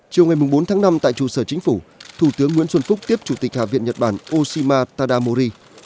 chiều ngày bốn tháng năm tại trụ sở chính phủ thủ tướng nguyễn xuân phúc tiếp chủ tịch hạ viện nhật bản oshima tadamori